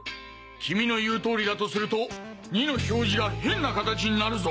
君の言う通りだとすると「２」の表示が変な形になるぞ。